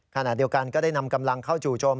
ขณะเดียวกันก็ได้นำกำลังเข้าจู่โจม